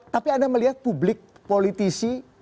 tapi anda melihat publik politisi